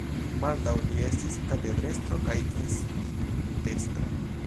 Baldaŭ li estis katedrestro kaj institutestro.